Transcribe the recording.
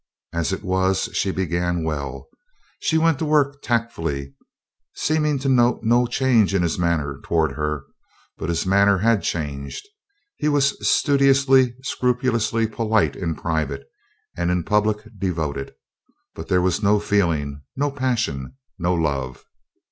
As it was, she began well; she went to work tactfully, seeming to note no change in his manner toward her; but his manner had changed. He was studiously, scrupulously polite in private, and in public devoted; but there was no feeling, no passion, no love.